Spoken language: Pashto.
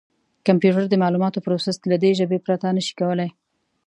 کمپیوټر د معلوماتو پروسس له دې ژبې پرته نه شي کولای.